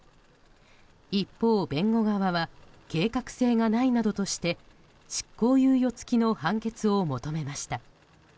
一方、弁護側は計画性がないなどとして執行猶予付きの判決を求めました。